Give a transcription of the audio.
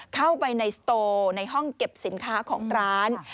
เข้าไปในสโตในห้องเก็บสินค้าของร้าน